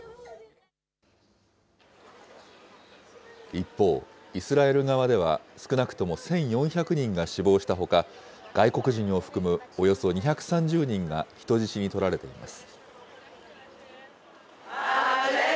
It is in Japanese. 一方、イスラエル側では、少なくとも１４００人が死亡したほか、外国人を含むおよそ２３０人が人質にとられています。